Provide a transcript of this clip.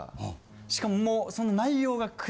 しかももう。